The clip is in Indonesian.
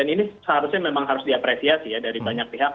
ini seharusnya memang harus diapresiasi ya dari banyak pihak